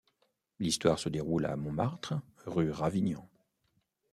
L'histoire se déroule à Montmartre, rue Ravignan.